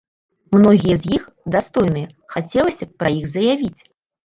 Многія з іх дастойныя, хацелася б пра іх заявіць.